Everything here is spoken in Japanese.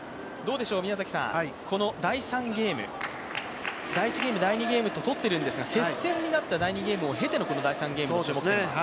この第３ゲーム、第１ゲーム、第２ゲームと取っているんですが接戦になった第２ゲームを経ての第３ゲームです。